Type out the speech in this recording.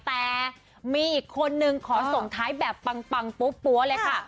แต่มีอีกคนนึงขอส่งท้ายแบบปังปั๊วเลยค่ะ